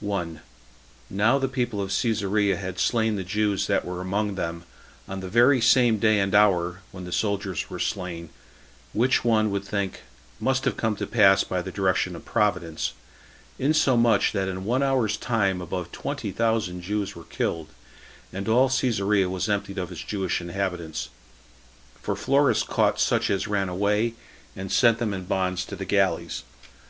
1. Now the people of Cesarea had slain the Jews that were among them on the very same day and hour [when the soldiers were slain], which one would think must have come to pass by the direction of Providence; insomuch that in one hour's time above twenty thousand Jews were killed, and all Cesarea was emptied of its Jewish inhabitants; for Florus caught such as ran away, and sent them in bonds to the galleys.